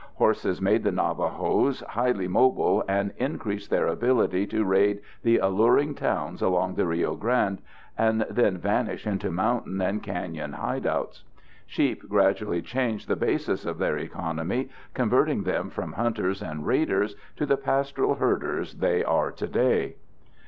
Horses made the Navajos highly mobile and increased their ability to raid the alluring towns along the Rio Grande and then vanish into mountain and canyon hideouts. Sheep gradually changed the basis of their economy, converting them from hunters and raiders to the pastoral herders they are today.